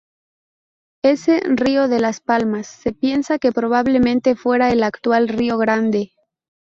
Ese "río de Las Palmas" se piensa que probablemente fuera el actual río Grande.